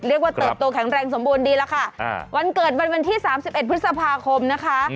เรียกว่าเติบตัวแข็งแรงสมบูรณ์ดีแล้วค่ะวันเกิดวันที่๓๑พฤษภาคมนะคะ